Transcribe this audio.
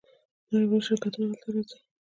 نړیوال شرکتونه هلته راځي.